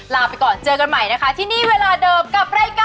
ลาไปก่อนเจอกันใหม่นะคะที่นี่เวลาเดิมกับรายการ